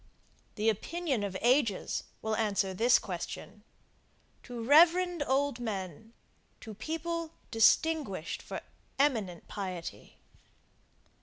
The opinion of ages will answer this question to reverend old men, to people distinguished for eminent piety.